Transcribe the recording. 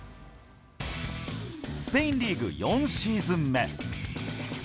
スペインリーグ４シーズン目。